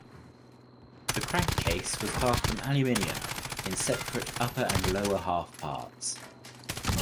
The crankcase was cast from aluminium in separate upper and lower half parts.